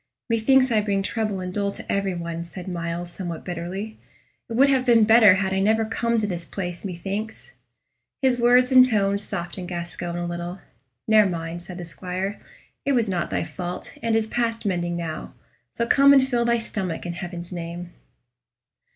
"Methinks I bring trouble and dole to every one," said Myles, somewhat bitterly. "It would have been better had I never come to this place, methinks." His words and tone softened Gascoyne a little. "Ne'er mind," said the squire; "it was not thy fault, and is past mending now. So come and fill thy stomach, in Heaven's name."